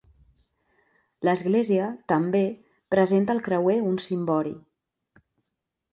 L'església, també, presenta al creuer un cimbori.